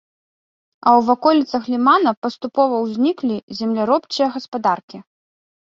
А ў ваколіцах лімана паступова узніклі земляробчыя гаспадаркі.